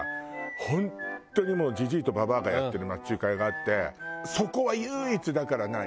本当にもうジジイとババアがやってる町中華屋があってそこは唯一だから何？